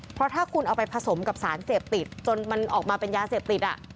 เพราะถ้าคุณเอาไปผสมกับสารเสพติดจนมันออกมาเป็นยาเสพติด